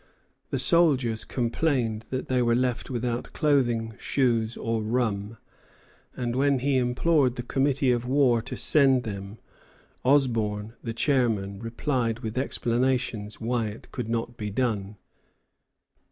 The soldiers complained that they were left without clothing, shoes, or rum; and when he implored the Committee of War to send them, Osborne, the chairman, replied with explanations why it could not be done.